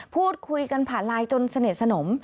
พูดคุยกันผ่านไลน์จนสนิทสนม